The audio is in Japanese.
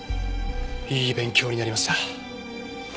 いい勉強になりました。